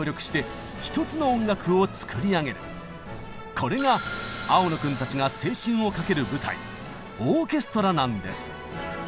これが青野君たちが青春をかける舞台「オーケストラ」なんです。